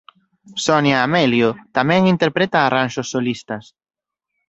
Sonia Amelio tamén interpreta arranxos solistas.